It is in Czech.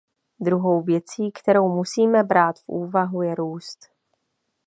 Druhou věcí, kterou musíme brát v úvahu, je růst.